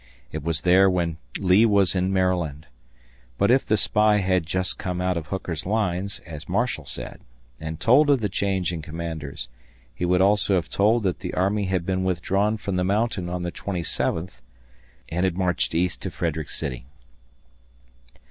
It was there when Lee was in Maryland. But if the spy had just come out of Hooker's lines, as Marshall said, and told of the change in commanders, he would also have told that the army had been withdrawn from the mountain on the twenty seventh and had marched east to Frederick City.